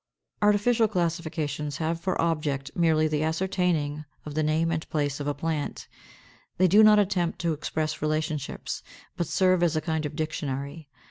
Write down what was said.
548. Artificial classifications have for object merely the ascertaining of the name and place of a plant. They do not attempt to express relationships, but serve as a kind of dictionary.